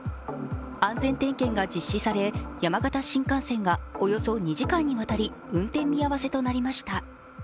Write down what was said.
安全点検が実施され山形新幹線がおよそ２時間にわたり運転見合わせとなりました。